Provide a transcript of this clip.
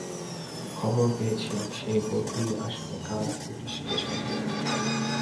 খবর পেয়েছি, সেই বটুই আসবে কাল পুলিসকে সঙ্গে নিয়ে।